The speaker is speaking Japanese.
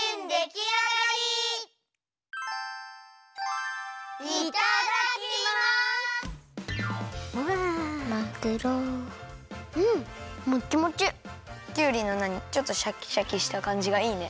きゅうりのなにちょっとシャキシャキしたかんじがいいね。